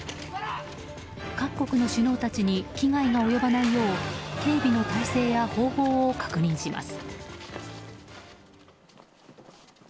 各国の首脳たちに危害が及ばないよう警備の体制や方法を確認します。